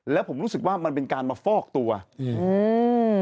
แล้วผมรู้สึกว่ามันเป็นการมาฟอกตัวแล้วผมรู้สึกว่ามันเป็นการมาฟอกตัว